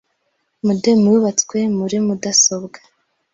Modem yubatswe muri mudasobwa.